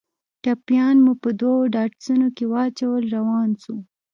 ټپيان مو په دوو ډاټسنو کښې واچول روان سو.